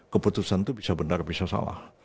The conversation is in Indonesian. keputusan itu bisa benar bisa salah